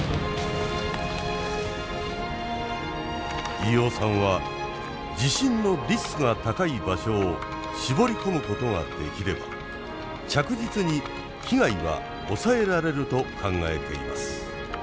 飯尾さんは地震のリスクが高い場所を絞り込むことができれば着実に被害は抑えられると考えています。